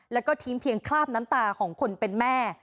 แล้วก็ทิ้งเพียงคราบน้ำตาของคนเป็นแม่